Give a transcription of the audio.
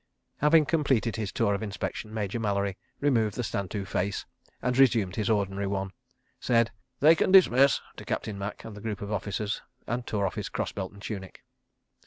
... Having completed his tour of inspection, Major Mallery removed the Stand to face and resumed his ordinary one, said: "They can dismiss," to Captain Macke and the group of officers, and tore off his cross belt and tunic.